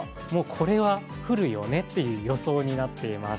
これは降るよねという予想になっています。